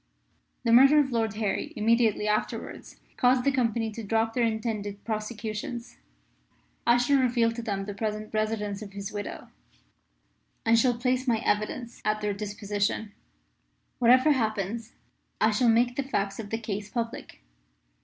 "The murder of Lord Harry immediately afterwards caused the Company to drop their intended prosecution. I shall reveal to them the present residence of his widow, and shall place my evidence at their disposition. Whatever happens I shall make the facts of the case public.